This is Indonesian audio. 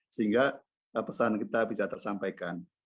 sehingga pesan kita bisa tersampaikan